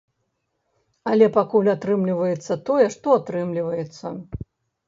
Але пакуль атрымліваецца тое, што атрымліваецца.